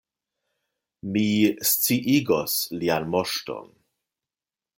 Mi sciigos Lian Moŝton.